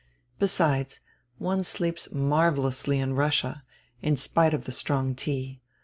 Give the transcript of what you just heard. Besides, one sleeps marvelously in Russia, in spite of the strong tea.